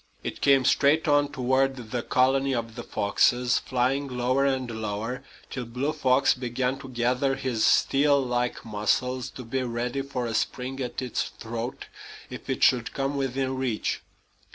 It came straight on toward the colony of the foxes, flying lower and lower, till Blue Fox began to gather his steel like muscles to be ready for a spring at its throat if it should come within reach.